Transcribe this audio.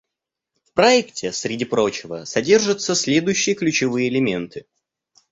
В проекте, среди прочего, содержатся следующие ключевые элементы.